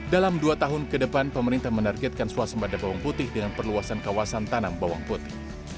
dalam dua tahun ke depan pemerintah menargetkan swasembada bawang putih dengan perluasan kawasan tanam bawang putih